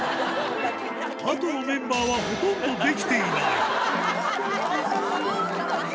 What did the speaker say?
あとのメンバーは、ほとんどできていない。